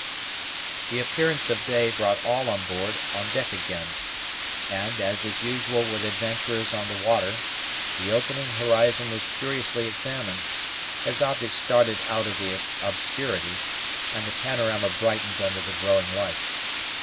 The appearance of day brought all on board on deck again; and, as is usual with adventurers on the water, the opening horizon was curiously examined, as objects started out of the obscurity, and the panorama brightened under the growing light.